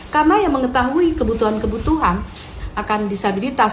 karena yang mengetahui kebutuhan kebutuhan akan disabilitas